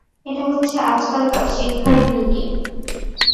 এটা হচ্ছে আজকালকার শিক্ষার ভেলকি।